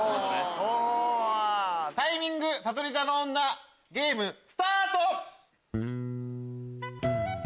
タイミングさそり座の女ゲームスタート！